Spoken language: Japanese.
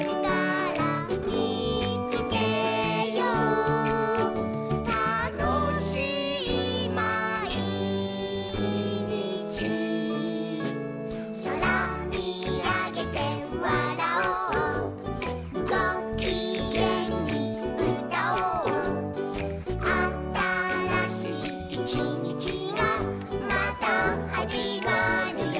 「みつけようたのしいまいにち」「そらみあげてわらおう」「ごきげんにうたおう」「あたらしいいちにちがまたはじまるよ」